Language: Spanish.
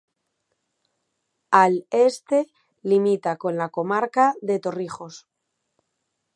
Al este limita con la comarca de Torrijos.